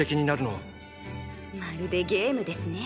まるでゲームですね。